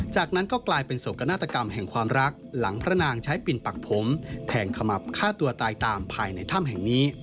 จากนั้นก็กลายเป็นโศกนาฏกรรมแห่งความรักหลังพระนางใช้ปิ่นปักผมแทงขมับฆ่าตัวตายตามภายในถ้ำแห่งนี้